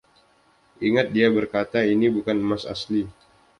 Ingat, dia berkata, ini bukan emas asli.